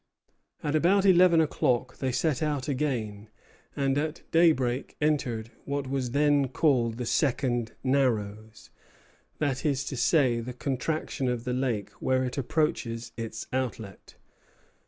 At about eleven o'clock they set out again, and at daybreak entered what was then called the Second Narrows; that is to say, the contraction of the lake where it approaches its outlet.